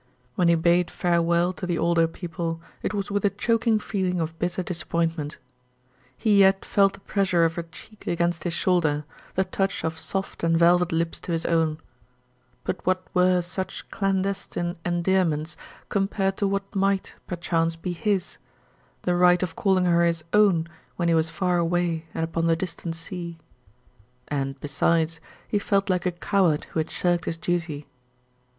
When he bade farewell to the older people it was with a choking feeling of bitter disappointment. He yet felt the pressure of her cheek against his shoulder, the touch of soft and velvet lips to his own. But what were such clandestine endearments compared to what might, perchance, be his the right of calling her his own when he was far away and upon the distant sea? And, besides, he felt like a coward who had shirked his duty.